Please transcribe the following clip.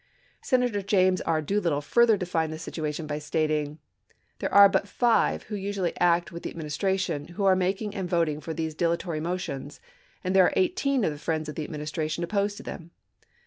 Senator James E. Doolittle further defined p. ids. the situation by stating, " there are but five who usually act with the Administration who are mak ing and voting for these dilatory motions, and there are eighteen of the friends of the Administration opposed to them."